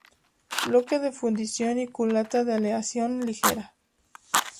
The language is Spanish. Bloque de fundición y culata de aleación ligera.